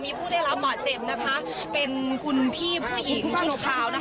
มีผู้ได้รับหม่อเจ็บเป็นกุญพี่ผู้หญิงชุดข่าว